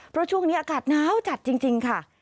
เพราะช่วงนี้อากาศน้าวจัดจริงค่ะ